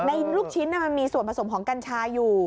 เห็นไหมนั่นในลูกชิ้นมันมีส่วนผสมของกัญชาอยู่